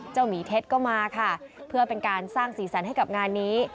หมีเท็จก็มาค่ะเพื่อเป็นการสร้างสีสันให้กับงานนี้